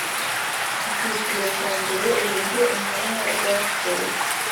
Icyiciro cya mbere Uburyo intumwa zapfuye